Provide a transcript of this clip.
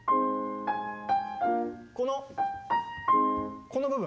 このこの部分。